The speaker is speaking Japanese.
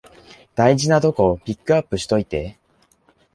大事なとこピックアップしといて